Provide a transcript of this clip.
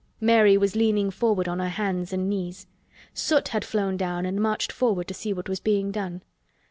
Mary was leaning forward on her hands and knees. Soot had flown down and marched forward to see what was being done.